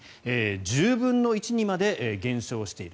１０分の１にまで減少している。